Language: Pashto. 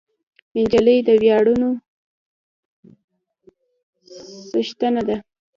نجلۍ د ویاړونو څښتنه ده.